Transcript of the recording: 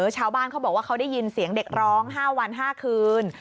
ชาวบ้านเขาบอกว่าเขาได้ยินเสียงเด็กร้อง๕วัน๕คืน